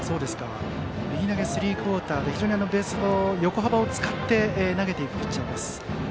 右投げスリークオーターで非常にベース板、横幅を使って投げていくピッチャーです。